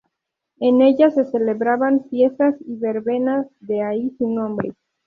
En ella se celebraban fiestas y verbenas, de ahí su nombre.